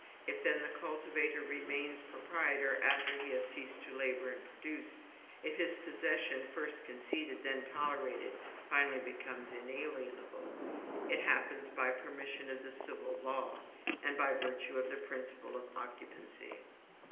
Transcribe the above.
If, then, the cultivator remains proprietor after he has ceased to labor and produce; if his possession, first conceded, then tolerated, finally becomes inalienable, it happens by permission of the civil law, and by virtue of the principle of occupancy.